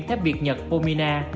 thép việt nhật pomina